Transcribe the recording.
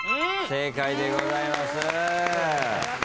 正解でございます。